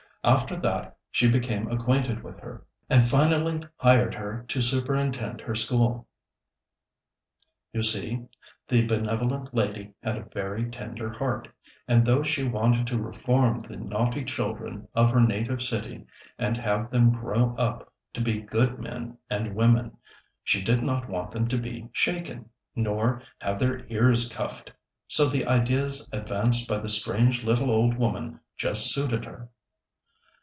After that, she became acquainted with her, and finally hired her to superintend her school. You see, the benevolent lady had a very tender heart, and though she wanted to reform the naughty children of her native city, and have them grow up to be good men and women, she did not want them to be shaken, nor have their ears cuffed; so the ideas advanced by the strange little old woman just suited her.